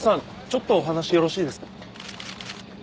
ちょっとお話よろしいですか？